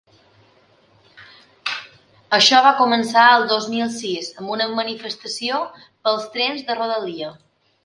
Això va començar el dos mil sis amb una manifestació pels trens de rodalia.